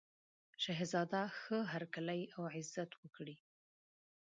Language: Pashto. شهزاده ښه هرکلی او عزت وکړي.